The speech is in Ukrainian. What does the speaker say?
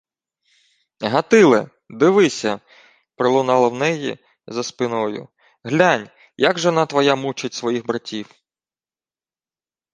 — Гатиле! Дивися! — пролунало в неї. за спиною. — Глянь, як жона твоя мучить своїх братів!